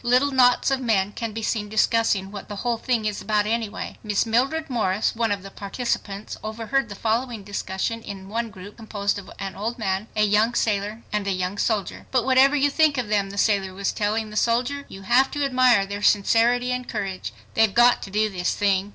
Little knots of men can be seen discussing "what the whole thing is about anyway." Miss Mildred Morris, one of the participants, overheard the following discussion in one group composed of an old man, a young sailor and a young soldier. "But whatever you think of them," the sailor was telling the soldier, "you have to admire their sincerity and courage. They've got to do this thing.